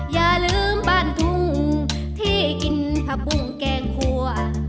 อย่าลืมบ้านทุ่งที่กินผักบุ้งแกงครัว